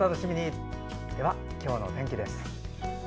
では、今日の天気です。